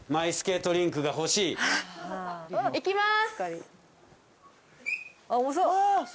いきます。